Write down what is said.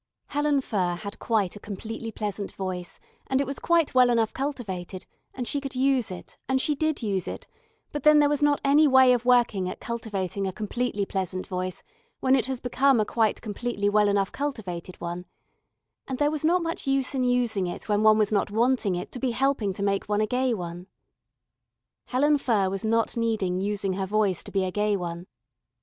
Helen Furr had quite a completely pleasant voice and it was quite well enough cultivated and she could use it and she did use it but then there was not any way of working at cultivating a completely pleasant voice when it has become a quite completely well enough cultivated one, and there was not much use in using it when one was not wanting it to be helping to make one a gay one. Helen Furr was not needing using her voice to be a gay one.